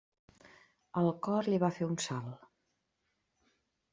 El cor li va fer un salt.